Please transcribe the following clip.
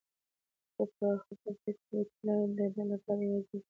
خو په حقیقت کې هېټلر د ده لپاره یوازې یو پوښ و.